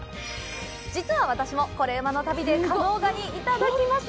実は、私も「コレうまの旅」で加能ガニ、いただきました！